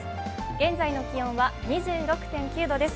現在の気温は２６．９度です。